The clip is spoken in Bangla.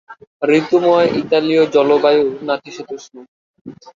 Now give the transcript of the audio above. ঋতুময় ইতালীয় জলবায়ু নাতিশীতোষ্ণ।